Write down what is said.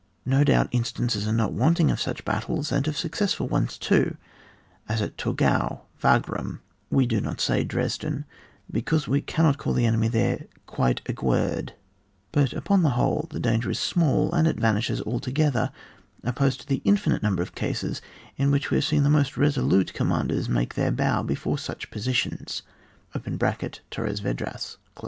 No doubt instances are not wanting of such battles, and of successful ones too, as Torgau, Wagram (we do not say Dresden, because we cannot call the enemy there quite aguerried) ; but upon the whole, the dan ger is small, and it vanishes altogether, opposed to the infinite number of cases in which we have seen the most resolute commanders make their bow before such positions. (Torres Vedras.)